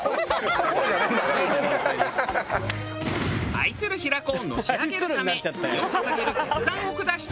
愛する平子をのし上げるため身を捧げる決断を下した峰子。